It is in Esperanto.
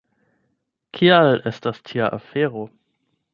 Kial estas tia afero?